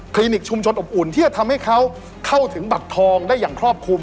นิกชุมชนอบอุ่นที่จะทำให้เขาเข้าถึงบัตรทองได้อย่างครอบคลุม